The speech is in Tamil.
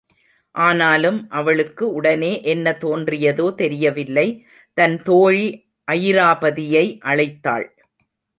ஆனாலும் அவளுக்கு உடனே என்ன தோன்றியதோ தெரியவில்லை தன் தோழி அயிராபதியை அழைத்தாள்.